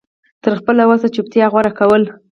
تر خپله وسه چوپتيا غوره کول